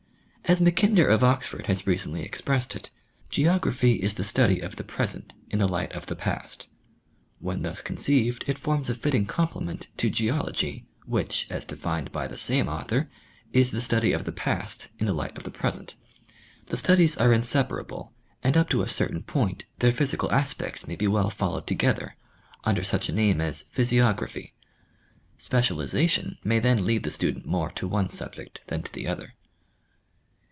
As Mackinder of Oxford has recently expressed it, geography is the study of the 12 National Geographic Magazine. present in the light of the past. When thus conceived it forms a fitting complement to geology, which, as defined by the same author, is the study of the past in the light of the present. The studies are inseparable and up to a certain point, their physical aspects may be well followed together, under such a name as physiography. Specialization may then lead the student more to one subject than to the other.